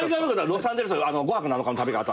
ロサンゼルス５泊７日の旅が当たって。